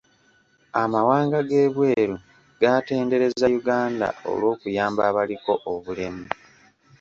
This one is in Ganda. Amawanga g'ebweru gaatendereza Uganda olw'okuyamba abaliko obulemu.